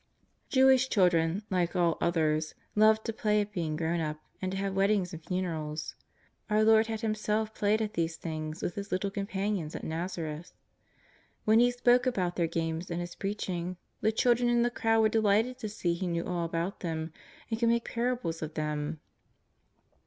Jewish children, like all others, loved to play at being gro\\Ti up, and to have weddings and funerals. Our Lord had Himself played at these things with His little companions at Xazareth. When He spoke about their games in Llis preaching, the children in the crowd were delighted to see He knew all about them and could make parables of them.